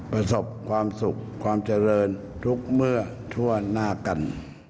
ประสบความสุขความเจริญทุกเมื่อทั่วหน้ากัน